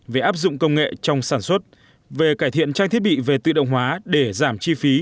về áp dụng công nghệ trong sản xuất về cải thiện trang thiết bị về tự động hóa để giảm chi phí